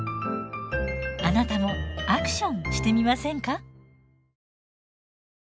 あなたもアクションしてみませんか？